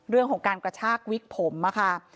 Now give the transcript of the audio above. เรื่องของการกระชากวิกผมอะค่ะ